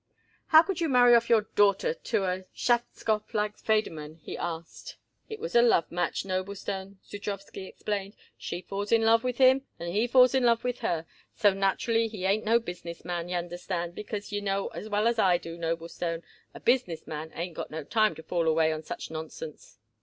"How could you marry off your daughter to a schafskopf like Federmann?" he asked. "It was a love match, Noblestone," Zudrowsky explained. "She falls in love with him, and he falls in love with her. So naturally he ain't no business man, y'understand, because you know as well as I do, Noblestone, a business man ain't got no time to fool away on such nonsense."